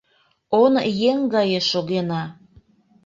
Он еҥ гае шогена;